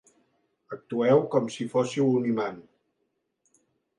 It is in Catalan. Actueu com si fóssiu un imant.